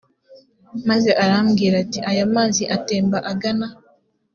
maze arambwira ati aya mazi atemba agana